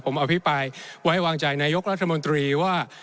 ผมอภิปรายไว้วางใจนายกรัฐมนตรีว่า